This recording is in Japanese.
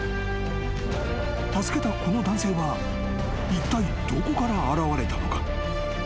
［助けたこの男性はいったいどこから現れたのか？］